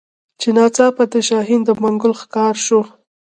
چي ناڅاپه د شاهین د منګول ښکار سو